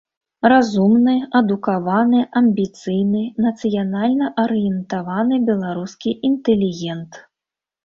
Разумны, адукаваны, амбіцыйны, нацыянальна-арыентаваны беларускі інтэлігент.